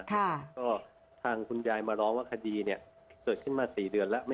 ก็ทางคุณยายมาร้องว่าคดีเนี่ยเกิดขึ้นมา๔เดือนแล้ว